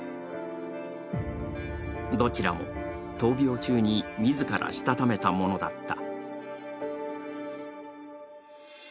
どちらも闘病中に自らしたためたものだった。